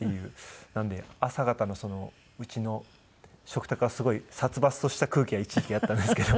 なので朝方のうちの食卓はすごい殺伐とした空気が一時期あったんですけど。